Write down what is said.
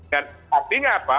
dan artinya apa